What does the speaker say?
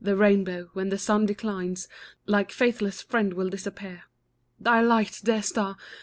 The rainbow, when the sun declines, Like faithless friend will disappear; Thy light, dear star!